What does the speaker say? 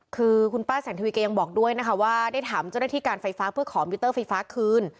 คือคุณป้าสันทวีก็ยังบอกด้วยนะคะว่าได้ถามเจ้าหน้าที่การไฟฟ้าเพื่อขอมิเตอร์ไฟฟ้าคืน